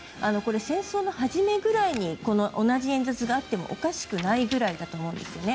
戦争の初めぐらいに同じ演説があってもおかしくないぐらいだと思うんですね。